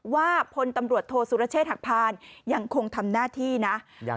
พลตำรวจโทษสุรเชษฐหักพานยังคงทำหน้าที่นะ